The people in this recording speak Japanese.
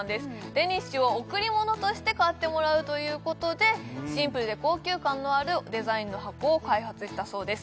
デニッシュを贈り物として買ってもらうということでシンプルで高級感のあるデザインの箱を開発したそうです